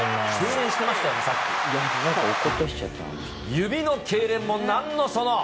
指のけいれんもなんのその。